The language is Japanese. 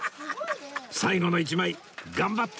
最後の１枚頑張って！